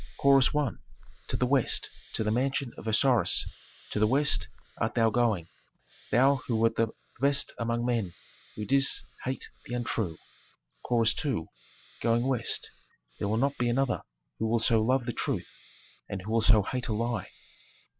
Chorus I. "To the West, to the mansion of Osiris, to the West art thou going, thou who wert the best among men, who didst hate the untrue." Chorus II. "Going West! There will not be another who will so love the truth, and who will so hate a lie."